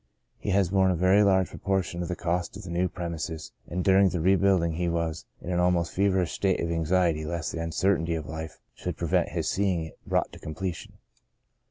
He has borne a very large propor tion of the cost of the new premises, and during the rebuilding he was in an almost feverish state of anxiety lest the uncertainty of life should prevent his seeing it brought to completion.